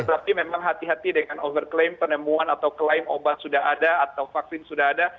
tetapi memang hati hati dengan over claim penemuan atau claim obat sudah ada atau vaksin sudah ada